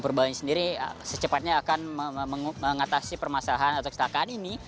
perbalan sendiri secepatnya akan mengatasi permasalahan atau kesalahan ini